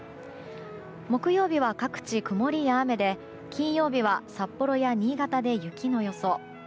木曜日は各地、曇りや雨で金曜日は札幌や新潟で雪の予想。